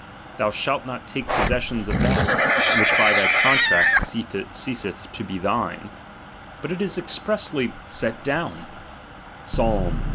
'^' Thou shalt not take possession of that, which by thy contract ceaseth to be thine: but it is expressly ily j thuktU I